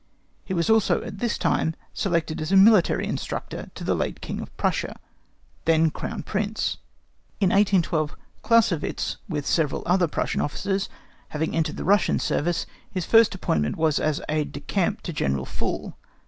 He was also at this time selected as military instructor to the late King of Prussia, then Crown Prince. In 1812 Clausewitz, with several other Prussian officers, having entered the Russian service, his first appointment was as Aide de camp to General Phul.